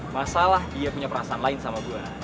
masalah dia punya perasaan lain sama buah